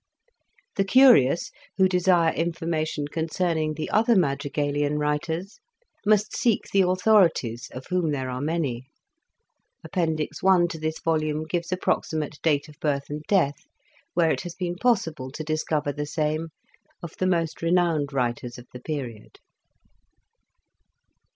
The curious, who desire information con cerning the other madrigalian writers, must Introduction. seek the authorities, of whom there are many ; Appendix I. to this volume gives approxi mate date of birth and death, where it has been possible to discover the same, of the .most renowned writers of the period.